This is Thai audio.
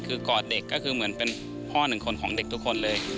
คือกอดเด็กก็คือเหมือนเป็นพ่อหนึ่งคนของเด็กทุกคนเลย